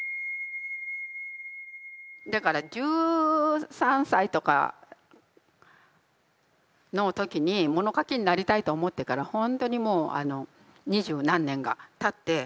だから１３歳とかの時に物書きになりたいと思ってから本当にもう二十何年がたって。